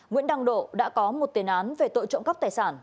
nguyễn đăng độ đã có một tiền án về tội trộm cắp tài sản